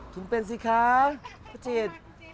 ถึงเป็นสิคะพระจิต